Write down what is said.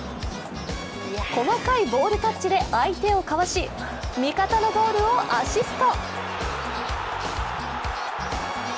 細かいボールタッチで相手をかわし味方のゴールをアシスト。